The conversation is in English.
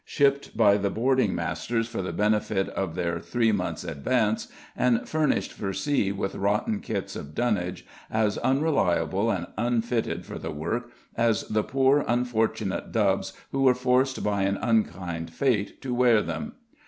Shipped by the boarding masters for the benefit of their three months' "advance," and furnished for sea with rotten kits of dunnage, as unreliable and unfitted for the work as the poor unfortunate dubs who were forced by an unkind fate to wear them.